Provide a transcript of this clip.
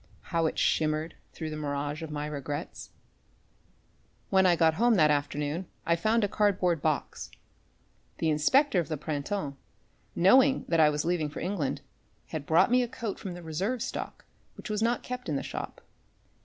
How it shimmered through the mirage of my regrets. When I got home that afternoon I found a cardboard box. The inspector of the Printemps, knowing that I was leaving for England, had brought me a coat from the reserve stock which was not kept in the shop.